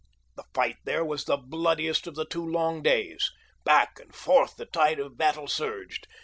The fight there was the bloodiest of the two long days. Back and forth the tide of battle surged.